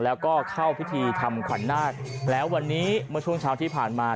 แล้วก็เข้าพิธีทำขวัญนาคแล้ววันนี้เมื่อช่วงเช้าที่ผ่านมา